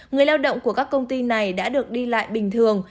người lao động của các công ty này đã được đi lại bình thường